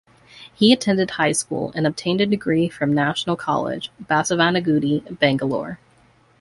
He attended high school and obtained a degree from National College, Basavanagudi, Bangalore.